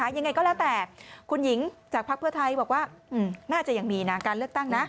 ยังไงก็แล้วแต่คุณหญิงจากภักดิ์เพื่อไทยบอกว่าน่าจะยังมีนะการเลือกตั้งนะ